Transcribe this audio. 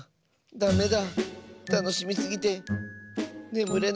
ダメだ。